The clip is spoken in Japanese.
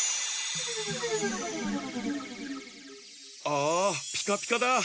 ああピカピカだ。